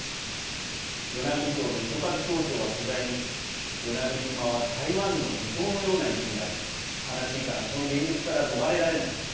与那国町の糸数町長は取材に与那国島は台湾の離島のような位置にあり悲しいかな、その現実から逃れられない。